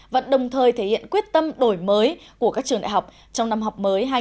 và đồng thời thể hiện quyết tâm đổi mới của các trường đại học trong năm học mới hai nghìn hai mươi hai nghìn hai mươi